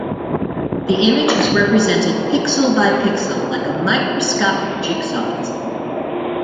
The image is represented pixel by pixel, like a microscopic jigsaw puzzle.